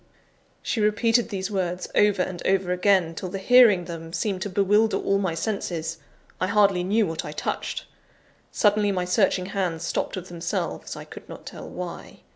She repeated these words over and over again, till the hearing them seemed to bewilder all my senses. I hardly knew what I touched. Suddenly, my searching hands stopped of themselves, I could not tell why.